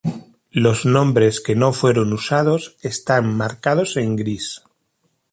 Los nombres que no fueron usados están marcados en gris.